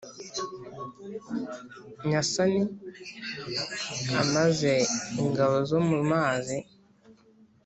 nyasani amaze ingabo zo mu mazi